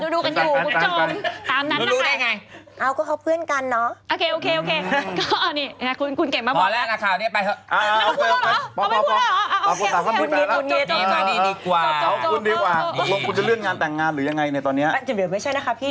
ดูดูกันอยู่คุณจมตามนั้นนะครับ